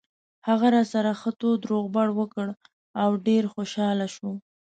هغه راسره ښه تود روغبړ وکړ او ډېر خوشاله شو.